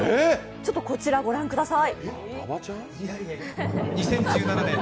ちょっとこちら御覧ください。